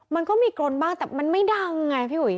มันก็มีกรนบ้างแต่มันไม่ดังไงพี่อุ๋ย